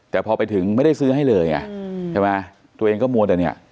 แต่พอไปถึงไม่ได้ซื้อให้เลยไงใช่ไหมตัวเองก็มัวแต่เนี่ย